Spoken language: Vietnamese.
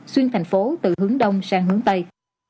xuyên thành phố từ hướng đông sang hướng tây